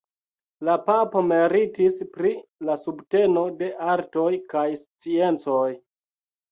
La papo meritis pri la subteno de artoj kaj sciencoj.